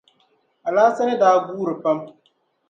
Alhassani daa guuri pam.